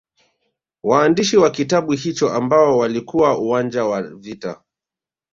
Waandishi wa kitabu hicho ambao walikuwa uwanja wa vita